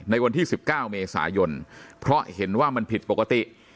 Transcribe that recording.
ในวันที่๑๙เมษายนเพราะเห็นว่ามันผิดปกติ